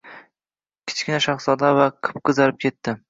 Kichkinashahzoda va qip-qizarib ketdi.